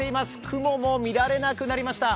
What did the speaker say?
雲も見られなくなりました。